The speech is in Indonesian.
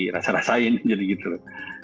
rasa rasain jadi gitu